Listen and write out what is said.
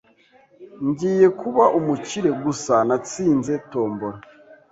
Ngiye kuba umukire. Gusa natsinze tombola